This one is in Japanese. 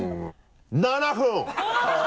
７分！